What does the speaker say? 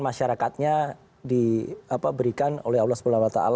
masyarakatnya diberikan oleh allah swt